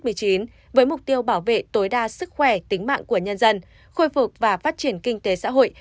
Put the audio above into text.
với mục tiêu bảo vệ tối đa sức khỏe tính mạng của nhân dân khôi phục và phát triển kinh tế xã hội